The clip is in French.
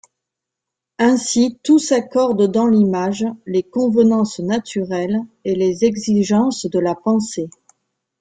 Ainsi tout s'accorde dans l'image, les convenances naturelles et les exigences de la pensée.